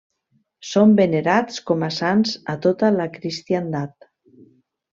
Són venerats com a sants a tota la cristiandat.